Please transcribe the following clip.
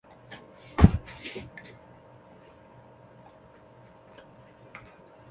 梅庵位于中国广东省肇庆市端州区城西的梅庵岗上。